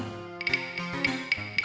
dikasih minum mbak